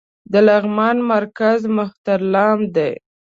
د لغمان مرکز مهترلام دى